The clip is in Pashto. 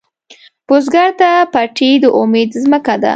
بزګر ته پټی د امید ځمکه ده